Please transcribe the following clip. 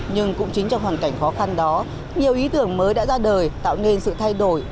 nhưng cũng chính trong hoàn cảnh khó khăn đó nhiều ý tưởng mới đã ra đời tạo nên sự thay đổi